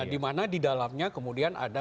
dimana di dalamnya kemudian ada